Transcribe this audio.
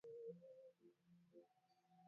huitangaza vyema nchi ya Tanzania na vivutio vyake